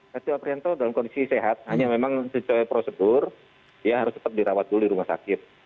setia aprianto dalam kondisi sehat hanya memang sesuai prosedur dia harus tetap dirawat dulu di rumah sakit